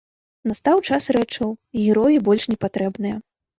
Настаў час рэчаў, героі больш не патрэбныя.